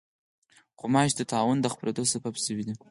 غوماشې د طاعون د خپرېدو سبب شوې دي.